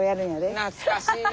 懐かしいな。